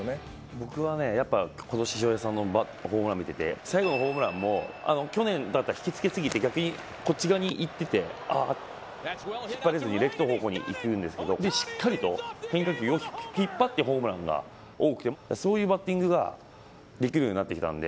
僕は今年、翔平さんのホームラン見てて最後のホームランも去年だったら引きつけすぎて逆にこっち側にいってて引っ張れずにレフト方向に行くんですけどしっかりと変化球を引っ張ってホームランが、そういうバッティングができるようになってきたので。